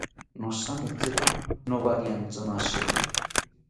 Nothamaetziro nowariantzimashiki